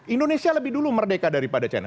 indonesia lebih dulu merdeka daripada china